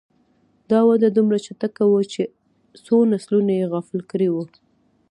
دا وده دومره چټکه وه چې څو نسلونه یې غافل کړي وو.